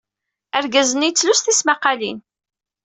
Argaz-nni yettlus tismaqalin.